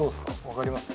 分かります？